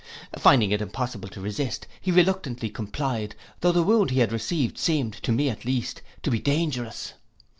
Finding it impossible to resist, he reluctantly complied, though the wound he had received seemed, to me at least, to be dangerous.